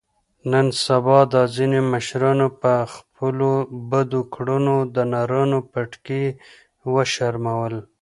نن سبا دا ځنې مشرانو په خپلو بدو کړنو د نرانو پټکي و شرمول.